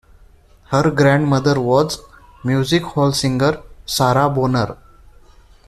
Her grandmother was music hall singer Sarah Bonner.